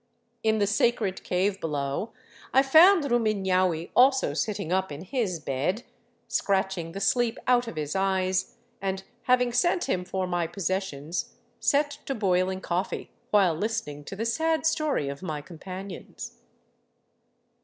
In the sacred cave below I found Rumiiiaui also sitting up in his " bed," scratching the sleep out of his eyes, and having sent him for my possessions set to boiling coffee while listening to the sad story of my companions.